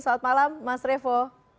selamat malam mas revo